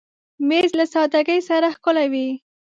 مېز له سادګۍ سره ښکلی وي.